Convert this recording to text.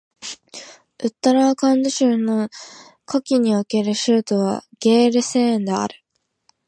ウッタラーカンド州の夏季における州都はゲールセーンである